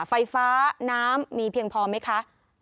ไฟฟ้าน้ำมีเพียงพอไหมคะ